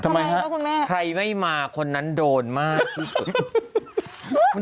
ทำไมฮะแล้วคุณแม่ใครไม่มาคนนั้นโดนมากที่สุด